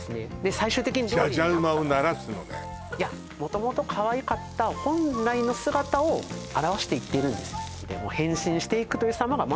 最終的に料理にじゃじゃ馬をならすのねいや元々かわいかった本来の姿を現していっているんですよ